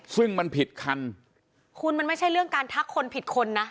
ซึ่งมันผิดคันคุณมันไม่ใช่เรื่องการทักคนผิดคนนะ